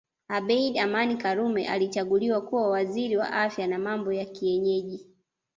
Abeid Amani Karume alichaguliwa kuwa Waziri wa Afya na Mambo ya Kienyeji